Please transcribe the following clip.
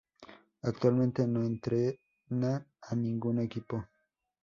Actualmente no entrena a ningún equipo.